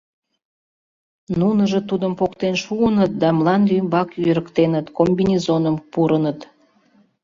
Нуныжо тудым поктен шуыныт да мланде ӱмбак йӧрыктеныт, комбинезоным пурыныт.